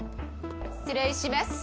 失礼します。